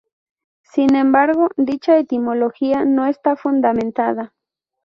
Sin embargo, dicha etimología no está fundamentada.